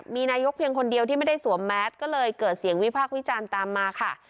มีนายกเพียงคนเดียวที่ไม่ได้สวมแมสก็เลยเกิดเสียงวิพากษ์วิจารณ์ตามมาค่ะ